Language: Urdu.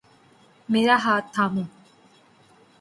میرا ہاتھ تھامو